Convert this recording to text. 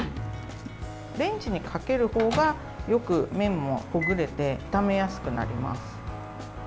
レンジにかけるほうがよく麺もほぐれて炒めやすくなります。